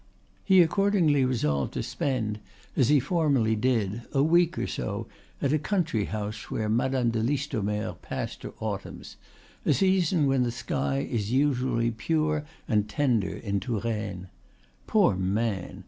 He accordingly resolved to spend, as he formerly did, a week or so at a country house where Madame de Listomere passed her autumns, a season when the sky is usually pure and tender in Touraine. Poor man!